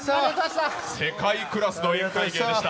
世界クラスの宴会芸でした。